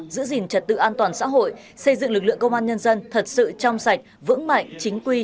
giữ gìn trật tự an toàn xã hội xây dựng lực lượng công an nhân dân thật sự trong sạch vững mạnh chính quy